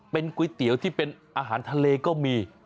เป็นก๋วยเตี๋ยวที่เป็นอาหารทะเลก็มี